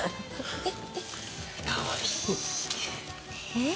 えっ？